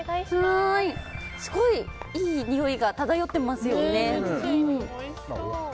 すごいいいにおいが漂っていますよね。